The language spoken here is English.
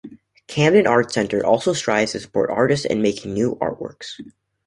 Camden Arts Centre also strives to support artists in making new artworks.